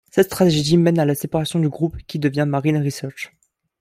Cette tragédie mène à la séparation du groupe, qui devient Marine Research.